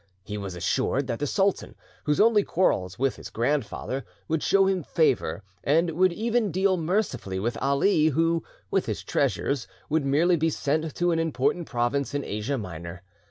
He was assured that the sultan, whose only quarrel was with his grandfather, would show him favour, and would even deal mercifully with Ali, who, with his treasures, would merely be sent to an important province in Asia Minor.